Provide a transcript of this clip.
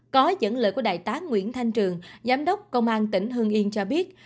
có dẫn lời của đại tá nguyễn thanh trường giám đốc công an tỉnh hương yên cho biết